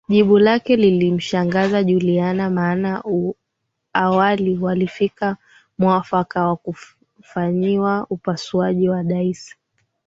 Jibu lake lilimshangaza Juliana maana awali walifikia muafaka wa kufanyiwa upasuaji wa Daisy